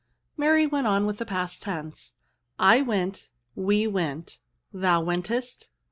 Mary went on with the past tense. " I went. We went. Thou wentest.